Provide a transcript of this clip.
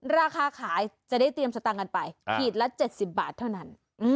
ราคาขายจะได้เตรียมสตางค์กันไปขีดละ๗๐บาทเท่านั้น